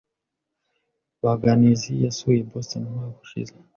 Baganizi yasuye Boston umwaka ushize.